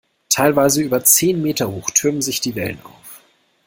Teilweise über zehn Meter hoch türmen sich die Wellen auf.